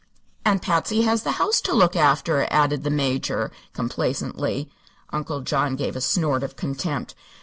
"And Patsy has the house to look after," added the Major, complacently. Uncle John gave a snort of contempt.